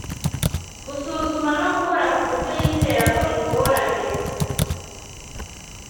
gusuzuma no gukora ku buryo yizera ko ingorane